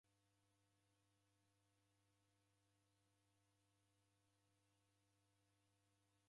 W'uchaguzi ghwadima kucheleshwa kwa w'undu ghwa saka.